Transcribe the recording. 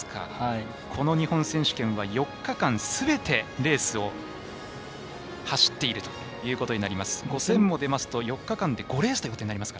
この日本選手権は４日間すべてレースを走っているという田中希実、５０００も出ますと４日間で５レースになります。